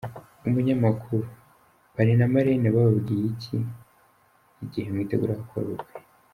Umunyamakuru: Parrain na Marraine bababwiye iki igihe mwiteguraga gukora ubukwe?.